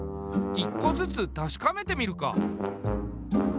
１個ずつ確かめてみるか。